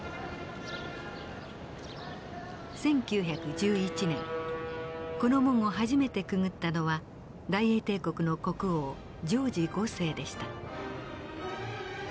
１９１１年この門を初めてくぐったのは大英帝国の国王ジョージ５世でした。